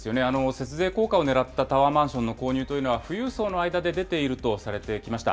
節税効果をねらったタワーマンションの購入というのは、富裕層の間で出ているとされてきました。